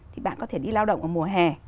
thì bạn có thể đi lao động ở mùa hè